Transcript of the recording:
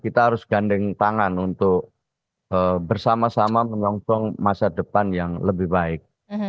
kita harus gandeng tangan untuk bersama sama menyongsong masa depan yang lebih baik